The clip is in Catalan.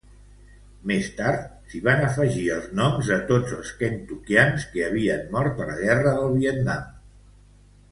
Més tard, s'hi van afegir els noms de tots els kentuckians que havien mort a la guerra del Vietnam.